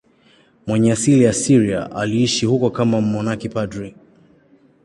Mwenye asili ya Syria, aliishi huko kama mmonaki padri.